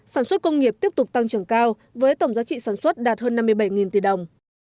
sản xuất công nghiệp tiếp tục tăng trưởng cao với tổng giá trị sản xuất đạt hơn năm mươi bảy tỷ đồng